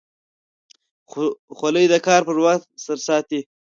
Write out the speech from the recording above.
خولۍ د کار پر وخت سر ساتي.